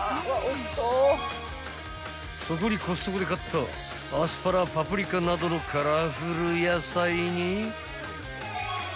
［そこにコストコで買ったアスパラパプリカなどのカラフル野菜に］